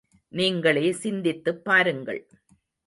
நீங்களே சிந்தித்துப் பாருங்கள்.